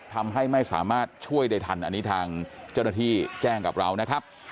ทำให้ไม่สามารถช่วยได้ทันอันนี้ทางเจ้าหน้าที่แจ้งกับเรานะครับ